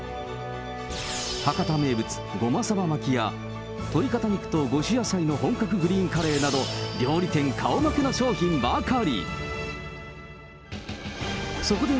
博多名物ごまさば巻や、鶏かた肉と５種野菜の本格グリーンカレーなど、料理店顔負けの商品ばかり。